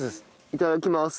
いただきます。